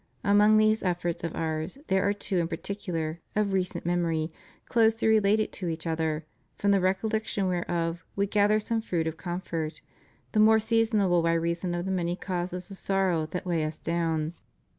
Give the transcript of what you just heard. Among these efforts of Ours there are two in particular, of recent memory, closely related to each other, from the recollection whereof We gather some fruit of com fort, the more seasonable by reason of the many causes of sorrow that weigh Us down.